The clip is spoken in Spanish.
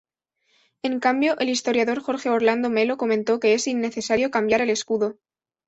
En cambio, el historiador Jorge Orlando Melo comentó que es "innecesario" cambiar el escudo.